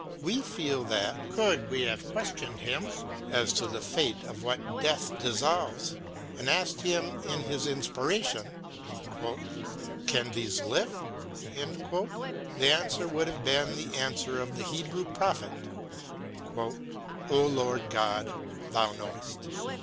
We feel that, could we have questioned him, as to the fate of what Death dissolves, and asked him in his inspiration, " Can these live P " the answer would have been the answer of the Hebrew prophet :" O Lord God, Thou knowest."